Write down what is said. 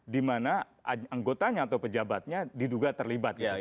dimana anggotanya atau pejabatnya diduga terlibat gitu